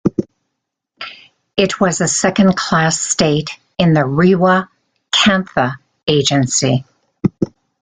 It was a second class state in the Rewa Kantha Agency.